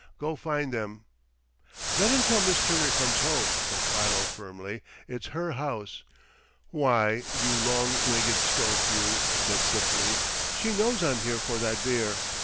Go find them." "Not until Miss Turner comes home," said Philo firmly. "It's her house." "Why, you long legged stork you!" said Slippery, "she knows I'm here for that beer.